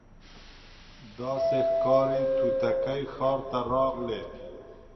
داسي ښکاري توتکۍ ښار ته راغلې